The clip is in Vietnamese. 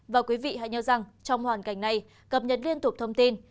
và quý vị hãy nhớ rằng trong hoàn cảnh này cập nhật liên tục thông tin